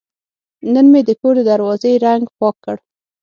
نن مې د کور د دروازې رنګ پاک کړ.